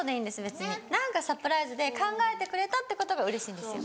別に何かサプライズで考えてくれたってことがうれしいんですよ。